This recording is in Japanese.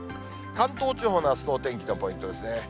関東地方のあすのお天気のポイントですね。